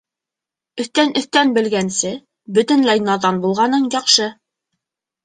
Өҫтән-өҫтән белгәнсе, бөтөнләй наҙан булғаның яҡшы.